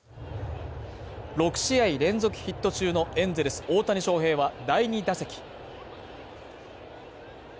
６試合連続ヒット中のエンゼルス大谷翔平は、第２打席。